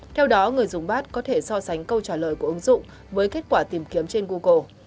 theo đó người dùng bat có thể so sánh câu trả lời của ứng dụng với kết quả tìm kiếm trên google